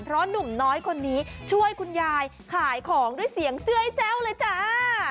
เพราะหนุ่มน้อยคนนี้ช่วยคุณยายขายของด้วยเสียงเจื้อยแจ้วเลยจ้า